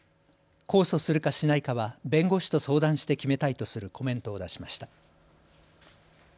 控訴するかしないかは弁護士と相談して決めたいとするコメントを出しました。